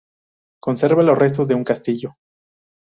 Conserva los restos de un castillo.